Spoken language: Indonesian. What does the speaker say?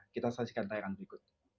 kita saksikan tayangan berikut